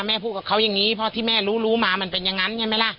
พูดกับเขาอย่างนี้เพราะที่แม่รู้รู้มามันเป็นอย่างนั้นใช่ไหมล่ะ